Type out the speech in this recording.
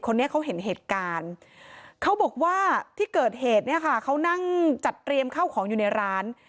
คนนี้เขาเห็นเหตุการณ์เขาบอกว่าที่เกิดเหตุเนี่ยค่ะเขานั่งจัดเตรียมข้าวของอยู่ในร้าน